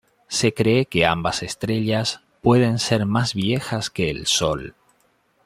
Se cree que ambas estrellas pueden ser más viejas que el Sol.